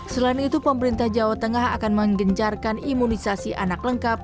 selain itu pemerintah jawa tengah akan menggencarkan imunisasi anak lengkap